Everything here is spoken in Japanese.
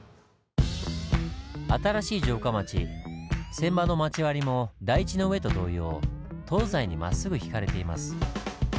新しい城下町船場の町割りも台地の上と同様東西にまっすぐひかれています。